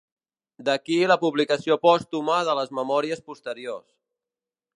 D'aquí la publicació pòstuma de les memòries posteriors.